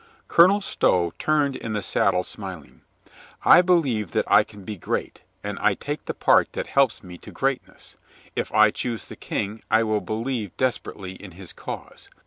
Colonel Stow turned in the saddle smiling. "I be lieve that I can be great, and I take the part that helps me to greatness. If I choose the King, I will believe desperately in his cause.